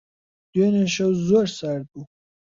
دوێنێ شەو زۆر سارد بوو.